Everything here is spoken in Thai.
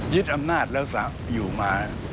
ยึดอำนาจเราอยู่มา